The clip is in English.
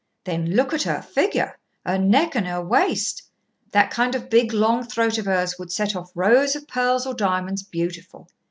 Then look at her figure her neck and her waist! That kind of big long throat of hers would set off rows of pearls or diamonds beautiful!